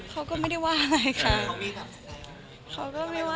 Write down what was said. ซึมซับเข้ามา